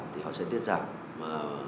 thì họ sẽ tiết giảm